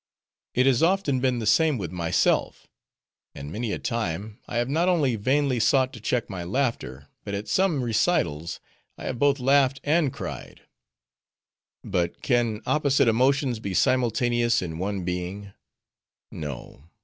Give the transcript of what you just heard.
It has often been the same with myself. And many a time have I not only vainly sought to check my laughter, but at some recitals I have both laughed and cried. But can opposite emotions be simultaneous in one being? No.